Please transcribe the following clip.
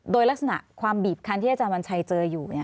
โดยลักษณะความบีบคันที่อาจารย์วันชัยเจออยู่